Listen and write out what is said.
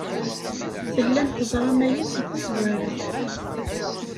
Tellam teẓram aya seg tazwara.